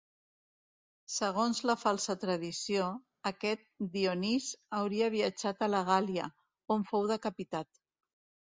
Segons la falsa tradició, aquest Dionís hauria viatjat a la Gàl·lia, on fou decapitat.